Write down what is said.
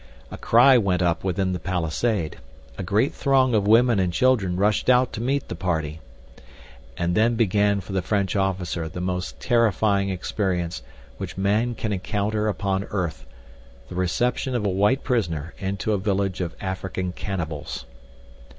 A cry went up within the palisade. A great throng of women and children rushed out to meet the party. And then began for the French officer the most terrifying experience which man can encounter upon earth—the reception of a white prisoner into a village of African cannibals.